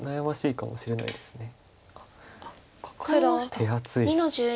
手厚い。